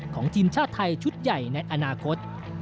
ของทีมชาติไทยชุดใหญ่ในอนาคต